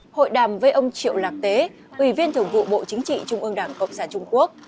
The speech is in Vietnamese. hội đàm với ông triệu lạc tế ủy viên thường vụ bộ chính trị trung ương đảng cộng sản trung quốc